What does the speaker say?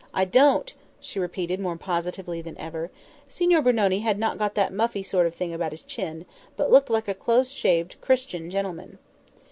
"I don't!" she repeated more positively than ever. "Signor Brunoni had not got that muffy sort of thing about his chin, but looked like a close shaved Christian gentleman."